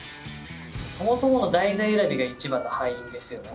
そもそもの題材選びが一番の敗因ですよね